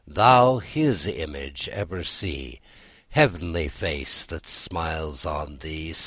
Thou His image ever see, Heavenly face that smiles on thee!